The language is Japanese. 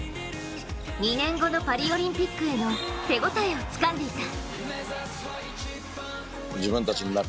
２年後のパリオリンピックへの手応えをつかんでいた。